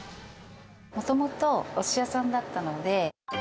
もともとおすし屋さんだったので。